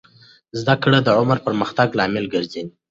زده کړه د عمر د پرمختګ لامل ګرځي.